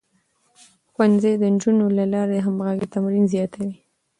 ښوونځی د نجونو له لارې د همغږۍ تمرين زياتوي.